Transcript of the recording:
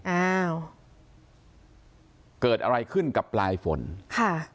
อ้าวเกิดอะไรขึ้นกับปลายฝนค่ะ